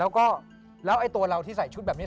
แล้วก็แล้วไอ้ตัวเราที่ใส่ชุดแบบนี้